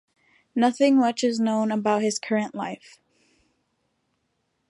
Nothing much is known about his current life.